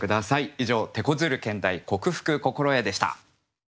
以上「てこずる兼題克服心得」でした。